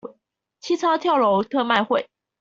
清倉跳樓特賣會